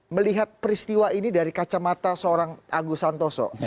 melihat peristiwa ini dari kacamata seorang agus santoso